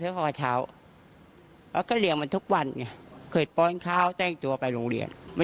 เอ่อมันจะนี่ไปมันจะแอบไปเลยอะ